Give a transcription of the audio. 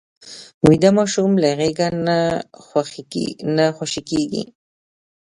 ویده ماشوم له غېږه نه خوشې کېږي